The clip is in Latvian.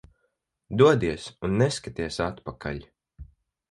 Dodies un neskaties atpakaļ.